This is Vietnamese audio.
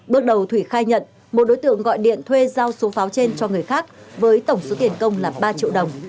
bước đầu thủy khai nhận một đối tượng gọi điện thuê giao số pháo trên cho người khác với tổng số tiền công là ba triệu đồng